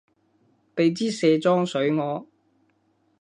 畀枝卸妝水我